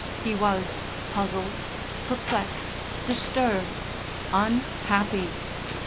He was puzzled, perplexed, disturbed, unhappy.